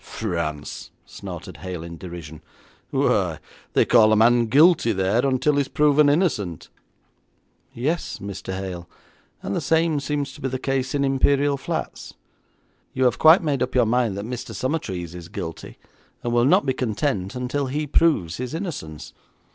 'France,' snorted Hale in derision, 'why, they call a man guilty there until he's proven innocent.' 'Yes, Mr. Hale, and the same seems to be the case in Imperial Flats. You have quite made up your mind that Mr. Summertrees is guilty, and will not be content until he proves his innocence.